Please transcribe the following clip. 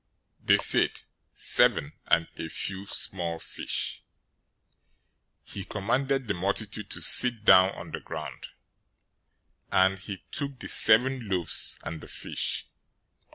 They said, "Seven, and a few small fish." 015:035 He commanded the multitude to sit down on the ground; 015:036 and he took the seven loaves and the fish.